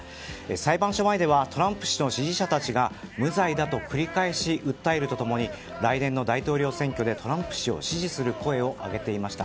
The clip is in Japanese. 裁判所前ではトランプ氏の支持者らが無罪だと繰り返し訴えると共に来年の大統領選挙でトランプ氏を支持する声を上げていました。